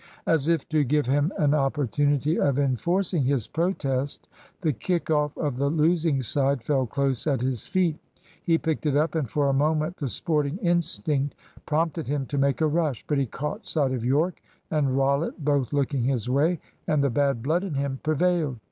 As if to give him an opportunity of enforcing his protest, the kick off of the losing side fell close at his feet. He picked it up, and for a moment the sporting instinct prompted him to make a rush. But he caught sight of Yorke and Rollitt both looking his way, and the bad blood in him prevailed.